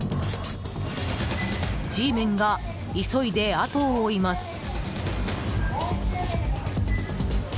Ｇメンが急いで後を追います。